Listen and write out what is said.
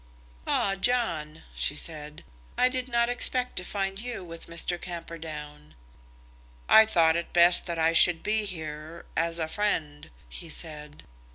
"Ah, John," she said, "I did not expect to find you with Mr. Camperdown." "I thought it best that I should be here, as a friend," he said.